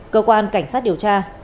cơ quan cảnh sát điều tra